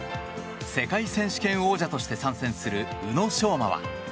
世界選手権王者として参戦する宇野昌磨は。